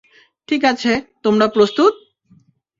ঠিক আছে, তোমরা প্রস্তুত?